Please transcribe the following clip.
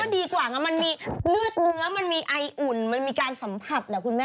ของจริงมันก็ดีกว่ามันมีเลือดเนื้อมันมีไออุ่นมันมีการสัมผัสเหรอคุณแม่